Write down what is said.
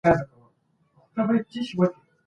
که شريعت پلی سي په ټولنه کي به عدالت ټينګ سي.